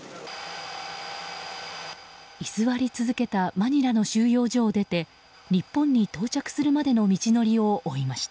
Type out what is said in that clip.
居座り続けたマニラの収容所を出て日本に到着するまでの道のりを追いました。